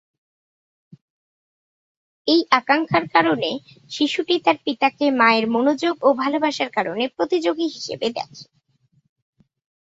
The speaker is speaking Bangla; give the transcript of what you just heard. এই আকাঙ্ক্ষার কারণে শিশুটি তার পিতাকে মায়ের মনোযোগ ও ভালবাসার কারণে প্রতিযোগী হিসেবে দেখে।